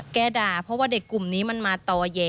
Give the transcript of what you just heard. ด่าเพราะว่าเด็กกลุ่มนี้มันมาต่อแย้